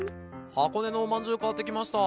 箱根のおまんじゅう買ってきました。